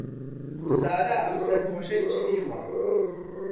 سارا ئەم سەرپۆشەی چنیوە.